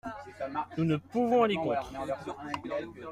Nous ne pouvons aller contre.